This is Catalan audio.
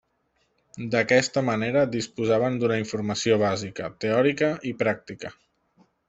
D'aquesta manera, disposaven d'una informació bàsica, teòrica i pràctica.